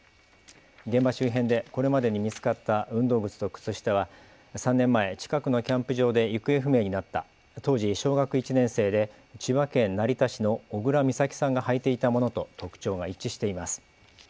現場周辺でこれまでに見つかった運動靴と靴下は３年前、近くのキャンプ場で行方不明になった当時、小学１年生で千葉県成田市の小倉美咲さんが履いていたものと特徴が一致しています。